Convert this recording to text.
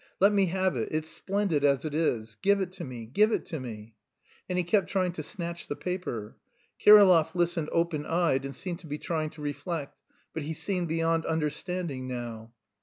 Let me have it, it's splendid as it is; give it to me, give it to me!" And he kept trying to snatch the paper. Kirillov listened open eyed and appeared to be trying to reflect, but he seemed beyond understanding now.